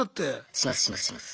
しますしますします。